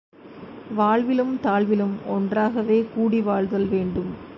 வாழ்விலும் தாழ்விலும் ஒன்றாகவே கூடி வாழ்தல் வேண்டும்!